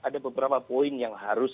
ada beberapa poin yang harus